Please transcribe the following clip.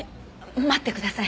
待ってください。